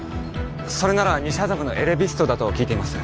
それなら西麻布のエレビストだと聞いています